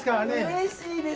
うれしいです。